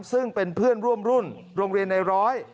ซึ่งเป็นเพื่อนร่วมรุ่นโรงเรียนในร้อย